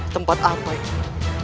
tempat apa ini